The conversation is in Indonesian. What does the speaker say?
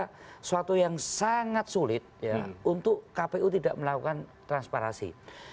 saya kira suatu yang sangat sulit untuk kpu tidak melakukan transparasi